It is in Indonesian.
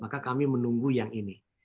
maka kami menunggu yang ini